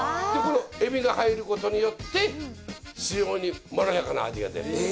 でこのエビが入る事によって非常にまろやかな味が出る。